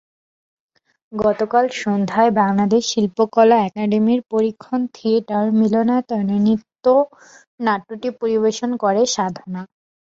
গতকাল সন্ধ্যায় বাংলাদেশ শিল্পকলা একাডেমীর পরীক্ষণ থিয়েটার মিলনায়তনে নৃত্যনাট্যটি পরিবেশন করে সাধনা।